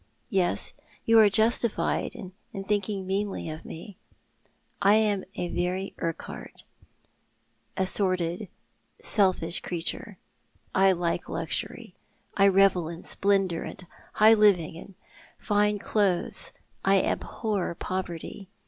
Yes, you are justified in thinking meanly of me. I am a very Urquhart — a sordid, selfish creature. I like luxury. I revel in splendour and high living and fine clothes. I abhor poverty.